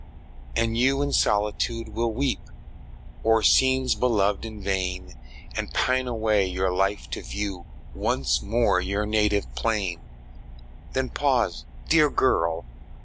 And you in solitude will weep O'er scenes beloved in vain, And pine away your life to view Once more your native plain. Then pause, dear girl!